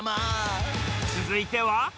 続いては。